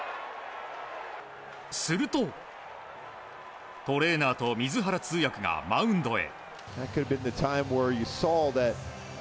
すると、トレーナーと水原通訳がマウンドへ。